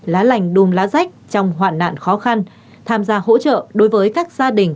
lá lành đùm lá rách trong hoạn nạn khó khăn tham gia hỗ trợ đối với các gia đình